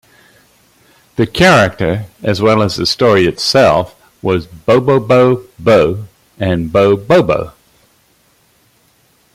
The character, as well as the story itself, was "Bobobo-bo Bo-bobo".